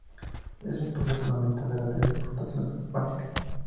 Es un proceso fundamental de la teleportación cuántica.